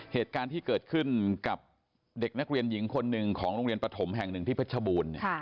เหตุการณ์ที่เกิดขึ้นกับเด็กนักเรียนหญิงคนหนึ่งของโรงเรียนปฐมแห่งหนึ่งที่เพชรบูรณ์